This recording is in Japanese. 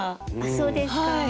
そうですか。